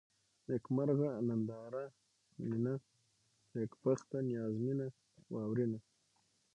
نېکمرغه ، ننداره ، نينه ، نېکبخته ، نيازمنه ، واورېنه